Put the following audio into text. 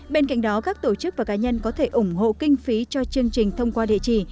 bên cạnh đó các tổ chức và cá nhân có thể ủng hộ kinh phí cho chương trình thông qua địa chỉ